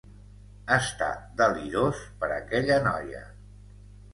Està delirós per aquella noia.